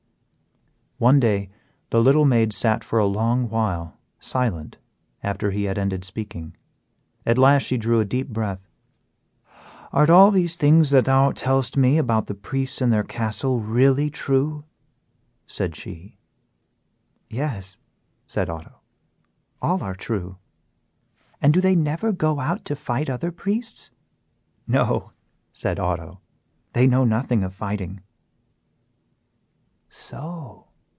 One day the little maid sat for a long while silent after he had ended speaking. At last she drew a deep breath. "And are all these things that thou tellest me about the priests in their castle really true?" said she. "Yes," said Otto, "all are true." "And do they never go out to fight other priests?" "No," said Otto, "they know nothing of fighting." "So!"